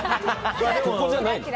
ここじゃないの？